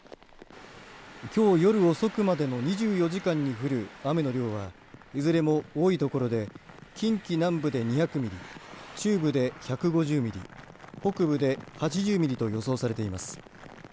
きょう夜遅くまでの２４時間に降る雨の量は、いずれも多い所で近畿南部で２００ミリ中部で１５０ミリ北部で８０ミリと予想されています。